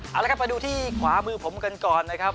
เอาละครับมาดูที่ขวามือผมกันก่อนนะครับ